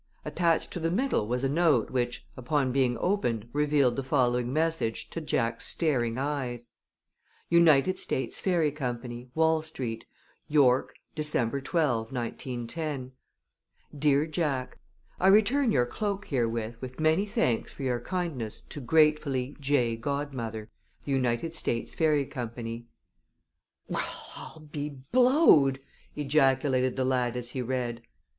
Attached to the middle was a note, which, on being opened, revealed the following message to Jack's staring eyes: THE UNITED STATES FAIRY COMPANY 8976 WALL STREET NEW YORK, December 12, 1910. DEAR JACK, I return your cloak herewith with many thanks for your kindness to Yours gratefully, TITANIA J. GODMOTHER, President The United States Fairy Co. "Well, I'll be blowed!" ejaculated the lad as he read.